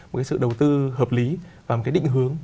một cái sự đầu tư hợp lý và một cái định hướng